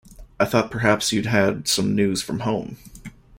I thought perhaps you'd had some news from home.